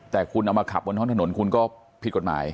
แต่คุณเอามาขับบนท้องถนนคุณก็ผิดกฎหมาย